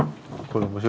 これ。